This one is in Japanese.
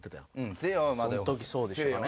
その時そうでしたかね。